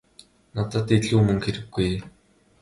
Надад илүү мөнгө хэрэггүй ээ.